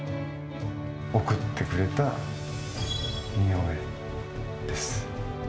贈ってくれた似顔絵です。